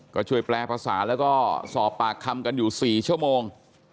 ก็ช่วยแปลภาษาแล้วก็สอบปากคำกันอยู่๔ชั่วโมง